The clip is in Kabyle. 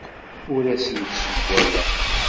Ur asen-d-ssewwayeɣ.